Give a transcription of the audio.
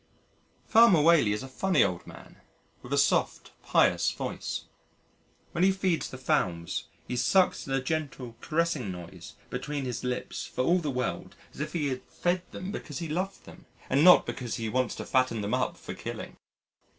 Farmer Whaley is a funny old man with a soft pious voice. When he feeds the Fowls, he sucks in a gentle, caressing noise between his lips for all the world as if he fed them because he loved them, and not because he wants to fatten them up for killing.